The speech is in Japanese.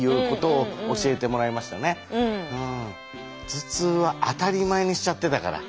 頭痛は当たり前にしちゃってたから。